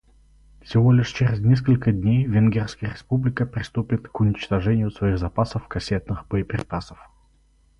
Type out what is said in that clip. Всего лишь через несколько дней Венгерская Республика приступит к уничтожению своих запасов кассетных боеприпасов.